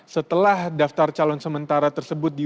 setelah daftar calon sementara tersebut dibuat